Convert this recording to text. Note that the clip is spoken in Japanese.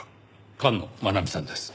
菅野茉奈美さんです。